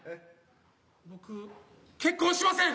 僕結婚しません。